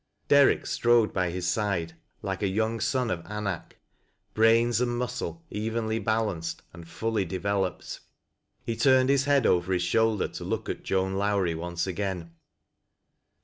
Derrick strode by his side like a young son of Anak — ^brains and muscle evenh balanced and fully developed. He turned his head over his shoulder to look at Joar Lowrie once again.